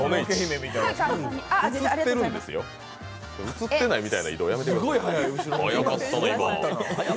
映ってないみたいな移動やめてください。